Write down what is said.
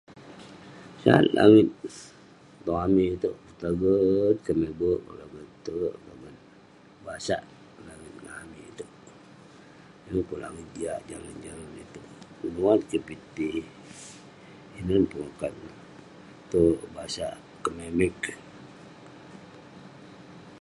Sat langit tong amik itouk. Petaget, [unintelligible] petaget terk, petaget basak. Langit ngan amik itouk. Yeng pun langit jiak jarun jarun itouk. Menuat keh piti. Ineh pengokat neh. Terk, basak, [unintelligible]